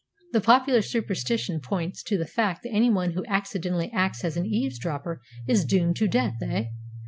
"Then popular superstition points to the fact that anyone who accidentally acts as eavesdropper is doomed to death, eh?